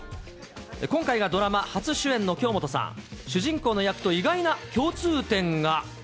今回がドラマ初主演の京本さん、主人公の役と意外な共通点が。